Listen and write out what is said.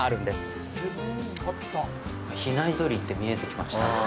あっ、「比内鶏」って見えてきましたね。